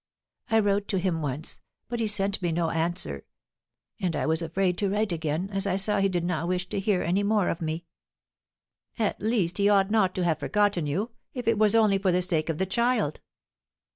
I wrote to him once, but he sent me no answer; and I was afraid to write again, as I saw he did not wish to hear any more of me." "At least he ought not to have forgotten you, if it was only for the sake of the child!"